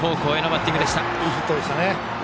いいヒットでしたね。